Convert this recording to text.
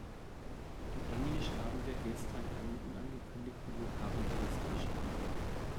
In Englisch haben wir gestern einen unangekündigten Vokabeltest geschrieben.